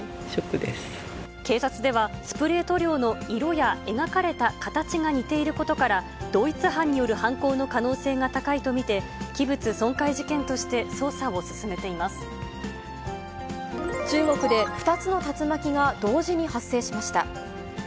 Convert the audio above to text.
警察では、スプレー塗料の色や描かれた形が似ていることから、同一犯による犯行の可能性が高いと見て、器物損壊事件として捜査を進めて中国で２つの竜巻が同時に発生しました。